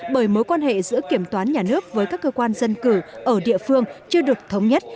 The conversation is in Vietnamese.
bởi mối quan hệ giữa kiểm toán nhà nước với các cơ quan dân cử ở địa phương chưa được thống nhất